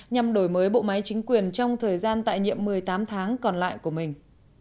nhằm đổi mới bộ máy chính quyền trong thời gian tại nhiệm một mươi tám tháng còn lại của mình